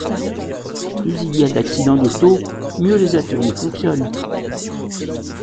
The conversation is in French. Plus il y a d’accidents d’auto, mieux les ateliers fonctionnent.